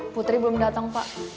putri belum datang pak